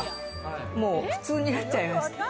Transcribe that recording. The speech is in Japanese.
もう普通になっちゃいました。